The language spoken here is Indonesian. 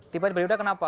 tipe berbeda kenapa